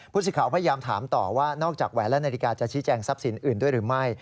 สิทธิ์พยายามถามต่อว่านอกจากแหวนและนาฬิกาจะชี้แจงทรัพย์สินอื่นด้วยหรือไม่